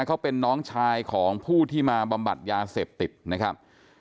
เขาเป็นน้องชายของผู้ที่มาบำบัดยาเสพติดนะครับ